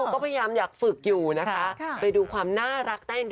ค่อยเป็นคนเหนือเจ้า